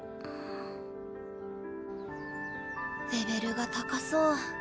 レベルが高そうか。